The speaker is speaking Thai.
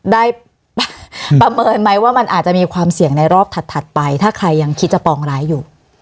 ได้ประเมินไหมว่ามันอาจจะมีความเสี่ยงในรอบถัดไปถ้าใครยังคิดจะปองร้ายอยู่